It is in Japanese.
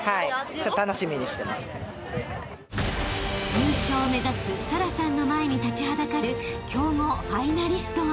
［優勝を目指す沙羅さんの前に立ちはだかる強豪ファイナリストは］